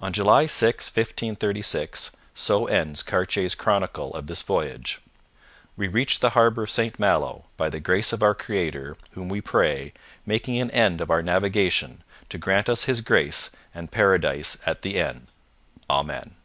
'On July 6, 1536,' so ends Cartier's chronicle of this voyage, 'we reached the harbour of St Malo, by the Grace of our Creator, whom we pray, making an end of our navigation, to grant us His Grace, and Paradise at the end. Amen.'